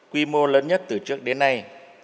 quy mô lớn nhất từ trước đến nay